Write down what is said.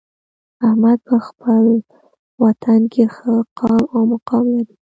احمد په خپل وطن کې ښه قام او مقام لري.